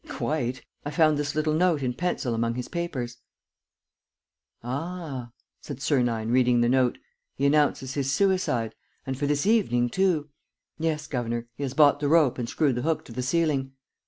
"Quite. I found this little note in pencil among his papers." "Ah!" said Sernine, reading the note. "He announces his suicide ... and for this evening too!" "Yes, governor, he has bought the rope and screwed the hook to the ceiling.